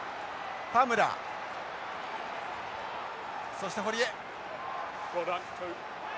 そして堀江。